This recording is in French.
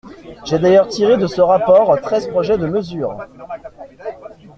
J’ai d’ailleurs tiré de ce rapport treize projets de mesures.